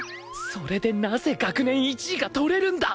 それでなぜ学年１位が取れるんだ！？